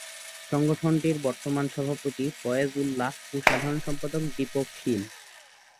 সংগঠনটির বর্তমান সভাপতি ফয়েজ উল্লাহ ও সাধারণ সম্পাদক দীপক শীল।